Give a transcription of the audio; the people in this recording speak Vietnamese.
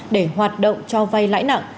để hoạt động cho vay lãi nặng